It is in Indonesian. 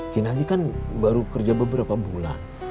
ki nanti kan baru kerja beberapa bulan